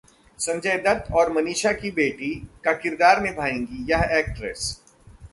संजय दत्त और मनीषा की बेटी का किरदार निभाएंगी यह एक्ट्रेस